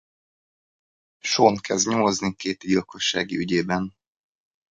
Sean kezd nyomozni Katie gyilkossági ügyében.